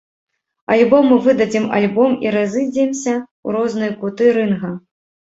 Альбо мы выдадзім альбом і разыйдземся ў розныя куты рынга.